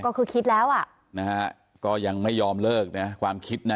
ก็คือคิดแล้วอย่างไม่ยอมเลิกความคิดนะ